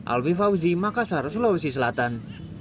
alvi fauzi makassar sulawesi selatan